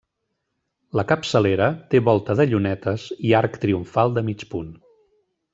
La capçalera té volta de llunetes i arc triomfal de mig punt.